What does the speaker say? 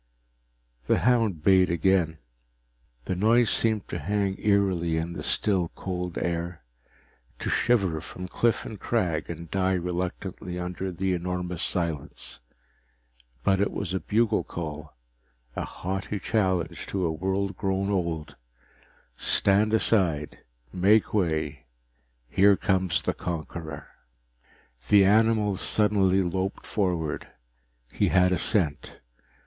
The hound bayed again. The noise seemed to hang eerily in the still, cold air; to shiver from cliff and crag and die reluctantly under the enormous silence. But it was a bugle call, a haughty challenge to a world grown old stand aside, make way, here comes the conqueror! The animal suddenly loped forward. He had a scent.